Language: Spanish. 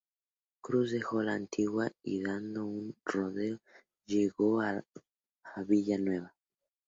Cruz dejó la Antigua y dando un rodeo, llegó a Villa Nueva.